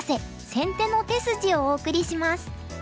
先手の手筋」をお送りします。